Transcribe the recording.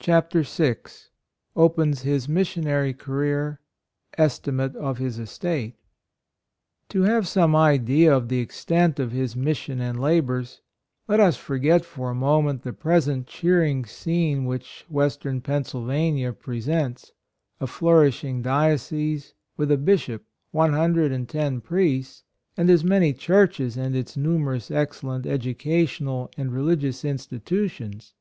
5 Chapter VI. ra^ns his fesionarg flamr l^timafe of his J«tate. have some idea of the extent of his mission and labors, let us forget for a moment the present cheering scene which Wes Pennsylvania presents — a flourishing Diocese with a Bishop — one hundred and ten priests, and as many churches and its numerous excellent educational and religious institutions.